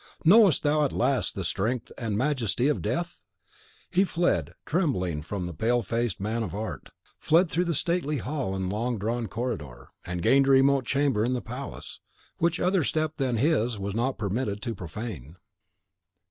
knowest thou at last the strength and the majesty of Death? He fled, trembling, from the pale faced man of art, fled through stately hall and long drawn corridor, and gained a remote chamber in the palace, which other step than his was not permitted to profane.